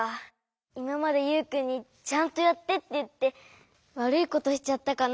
いままでユウくんに「ちゃんとやって」って言ってわるいことしちゃったかな？